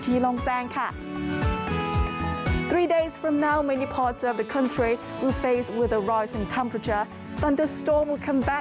หลังจากนี้ราก่อเวลามีความร้อนออกไป